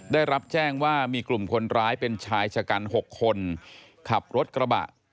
ได้รับแจ้งว่ามีกลุ่มคนร้ายเป็นชายชะกัน๖คนขับรถกระบะ